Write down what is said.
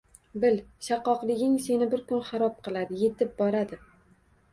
Bil, shakkokliging seni bir kuni xarob qiladi, yetib boradi…